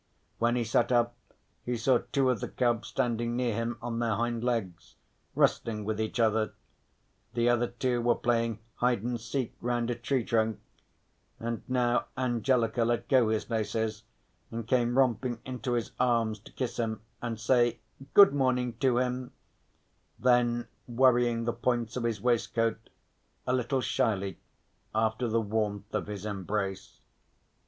When he sat up he saw two of the cubs standing near him on their hind legs, wrestling with each other, the other two were playing hide and seek round a tree trunk, and now Angelica let go his laces and came romping into his arms to kiss him and say "Good morning" to him, then worrying the points of his waistcoat a little shyly after the warmth of his embrace.